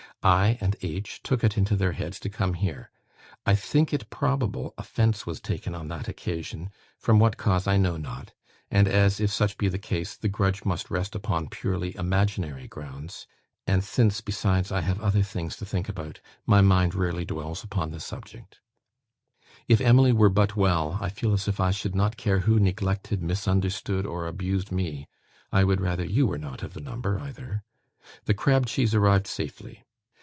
... I. and H. took it into their heads to come here. I think it probable offence was taken on that occasion, from what cause, I know not; and as, if such be the case, the grudge must rest upon purely imaginary grounds, and since, besides, I have other things to think about, my mind rarely dwells upon the subject. If Emily were but well, I feel as if I should not care who neglected, misunderstood, or abused me. I would rather you were not of the number either. The crab cheese arrived safely.